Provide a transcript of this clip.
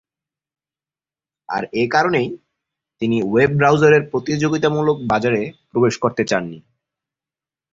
আর এ কারণেই, তিনি ওয়েব ব্রাউজারের প্রতিযোগিতামূলক বাজারে প্রবেশ করতে চাননি।